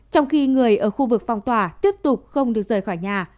trong khi người ở khu vực phong tỏa tiếp tục không được rời khỏi nhà